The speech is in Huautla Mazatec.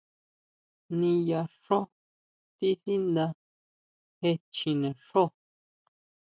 ¿Niyá xjo tisanda je chjine xjo?